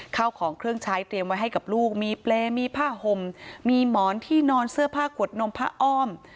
ข้าวของเครื่องใช้เตรียมไว้ให้กับลูกมีเปรย์มีผ้าห่มมีหมอนที่นอนเสื้อผ้าขวดนมผ้าอ้อม